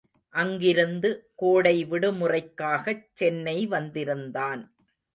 அங்கிருந்து கோடை விடுமுறைக்காகச் சென்னை வந்திருந்தான்.